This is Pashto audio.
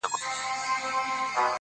• د دوزخي حُسن چيرمني جنتي دي کړم.